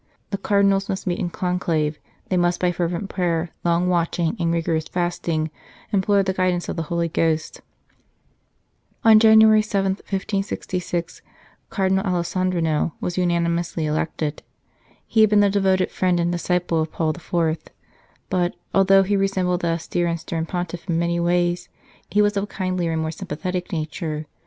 The Cardinals must meet in conclave ; they A Nest of Saints must by fervent prayer, long watching, and rigorous fasting, implore the guidance of the Holy Ghost. On January 7, 1566, Cardinal Alessandrino was unanimously elected. He had been the devoted friend and disciple of Paul IV., but, although he resembled that austere and stern Pontiff in many ways, he was of a kindlier and more sympathetic nature.